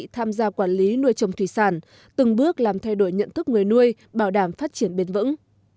tham gia quản lý nuôi trồng thủy sản từng bước làm thay đổi nhận thức người nuôi bảo đảm phát triển bền vững